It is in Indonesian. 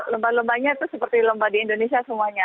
lomba lombanya itu seperti lomba di indonesia semuanya